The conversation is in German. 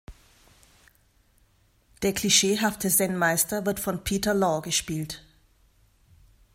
Der klischeehafte Zenmeister wird von Peter Law gespielt.